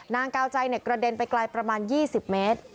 กาวใจกระเด็นไปไกลประมาณ๒๐เมตร